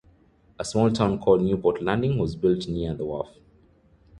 A small town call Newport Landing was built near the Wharf.